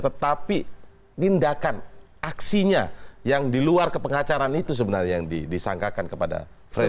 tetapi tindakan aksinya yang di luar kepengacaran itu sebenarnya yang disangkakan kepada freddy